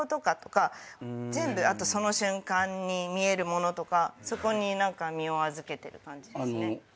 全部その瞬間に見えるものとかそこに身を預けてる感じですね。